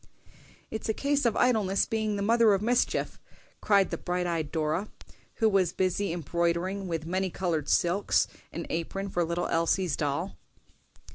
"It's a case of idleness being the mother of mischief," cried the bright eyed Dora, who was busy embroidering with many colored silks an apron for little Elsie's doll.